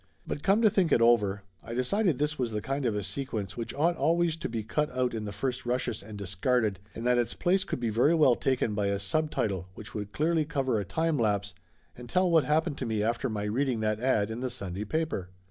But come to think it over, I decided this was the kind of a sequence which ought always to be cut out in the first rushes, and discarded, and that its place could be very well taken by a subtitle which would clearly cover a time lapse and tell what happened to me after my reading that ad in the Sunday paper.